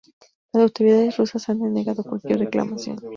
Las autoridades rusas han denegado cualquier reclamación.